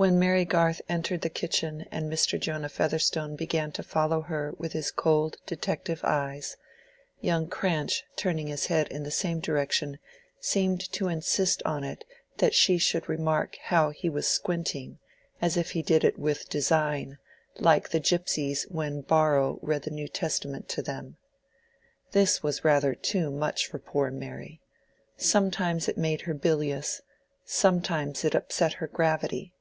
When Mary Garth entered the kitchen and Mr. Jonah Featherstone began to follow her with his cold detective eyes, young Cranch turning his head in the same direction seemed to insist on it that she should remark how he was squinting, as if he did it with design, like the gypsies when Borrow read the New Testament to them. This was rather too much for poor Mary; sometimes it made her bilious, sometimes it upset her gravity.